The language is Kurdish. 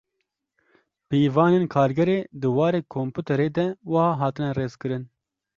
Pîvanên Kargerê di warê komputerê de wiha hatine rêzkirin.